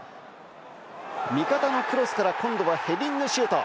味方のクロスから今度はヘディングシュート。